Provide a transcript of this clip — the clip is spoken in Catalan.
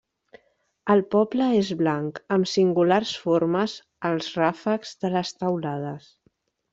El poble és blanc amb singulars formes als ràfecs de les teulades.